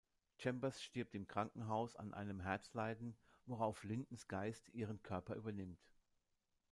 Chambers stirbt im Krankenhaus an einem Herzleiden, worauf Lindens Geist ihren Körper übernimmt.